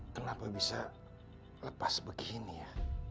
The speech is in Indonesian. kenapa bisa lepas begini ya